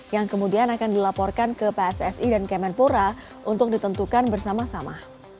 yang kemudian akan dilaporkan ke pssi dan kemenpora untuk ditentukan bersama sama